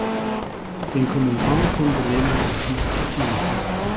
Den Kommentar konnte Lena sich nicht verkneifen.